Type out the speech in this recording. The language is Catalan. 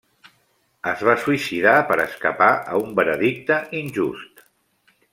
Es va suïcidar per escapar a un veredicte injust.